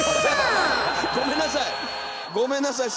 ごめんなさい！